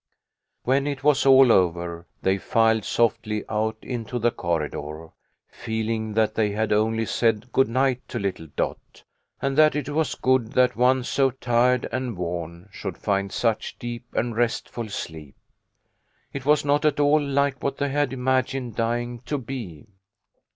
n When it was all over they filed softly out into the corridor, feeling that they had only said good night to little Dot, and that it was good that one so tired and worn should find such deep and restful sleep. It was not at all like what they had imagined dying to be.